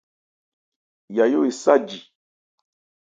Yayó esá jì.